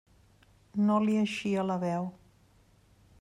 No li eixia la veu.